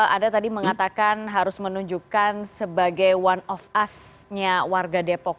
anda tadi mengatakan harus menunjukkan sebagai one of us nya warga depok